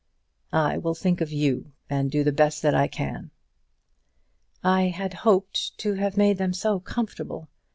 "I will think of you, and do the best that I can." "I had hoped to have made them so comfortable!